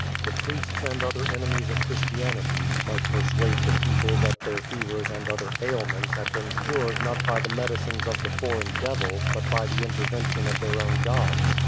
The priests and other enemies of Christianity E 6s A CRUEL PLOT might persuade the people that their fevers and other ailments had been cured not by the medicines of the " foreign devil," but by the intervention of their own gods.